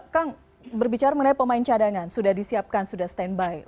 kang berbicara mengenai pemain cadangan sudah disiapkan sudah standby